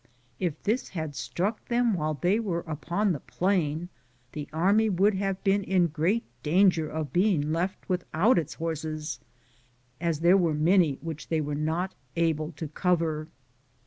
If this had struck them while they were upon the plain, the army would have been in great danger of being left without its horses, as there were many which they were not able to cover.